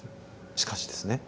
しかしですね